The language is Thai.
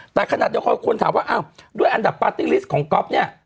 แต่ขนาดเดียวกันคนถามว่าอ้าวด้วยอันดับปาร์ตี้ลิสต์ของก๊อฟเนี่ย